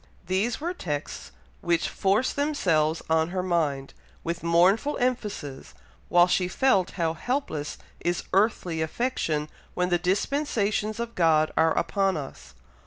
These were texts which forced themselves on her mind, with mournful emphasis, while she felt how helpless is earthly affection when the dispensations of God are upon us.